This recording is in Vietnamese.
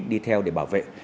đi theo để bảo vệ